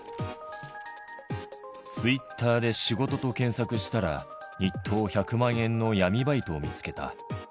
ツイッターで仕事と検索したら、日当１００万円の闇バイトを見つけた。